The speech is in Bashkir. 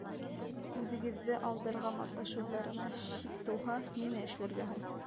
Үҙегеҙҙе алдарға маташыуҙарына шик тыуһа, нимә эшләргә һуң?